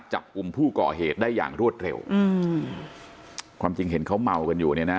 จับกลุ่มผู้ก่อเหตุได้อย่างรวดเร็วอืมความจริงเห็นเขาเมากันอยู่เนี่ยนะ